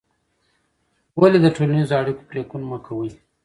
ولې د ټولنیزو اړیکو پرېکون مه کوې؟